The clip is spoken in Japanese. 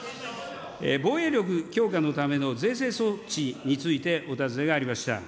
防衛力強化のための税制措置についてお尋ねがありました。